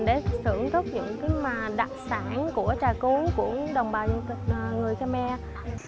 để thưởng thức những đặc sản của trà cú của đồng bào người khmer